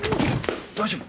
大丈夫？